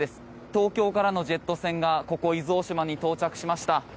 東京からのジェット船がここ、伊豆大島に到着しました。